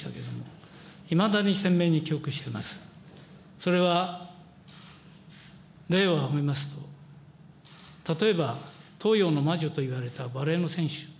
それは例を挙げますと例えば東洋の魔女といわれたバレーの選手。